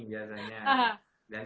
kalau dikacauin itu dikacauin